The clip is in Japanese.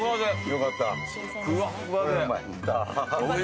よかった。